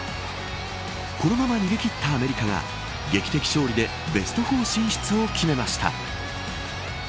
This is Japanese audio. このまま逃げ切ったアメリカが劇的勝利でベスト４進出を決めました。